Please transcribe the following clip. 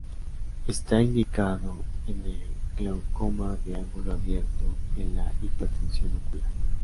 Está indicado en el glaucoma de ángulo abierto y en la hipertensión ocular.